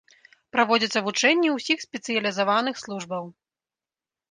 Праводзяцца вучэнні ўсіх спецыялізаваных службаў.